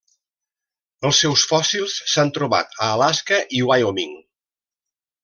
Els seus fòssils s'han trobat a Alaska i Wyoming.